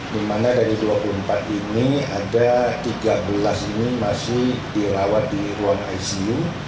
di mana dari dua puluh empat ini ada tiga belas ini masih dirawat di ruang icu